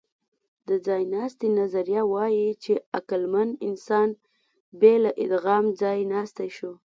د ځایناستي نظریه وايي، چې عقلمن انسان بې له ادغام ځایناستی شو.